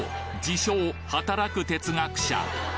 自称・働く哲学者